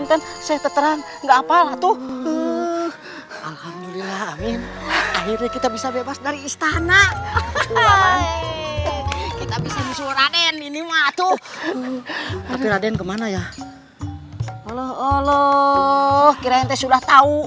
astaghfirullahaladzim kapanan kamu teh